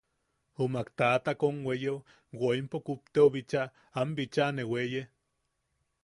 Jummak taʼata weyeo woimpo kupteo bicha am bicha ne weye.